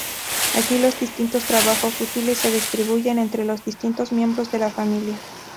Aquí los distintos trabajos útiles se distribuyen entre los distintos miembros de la familia.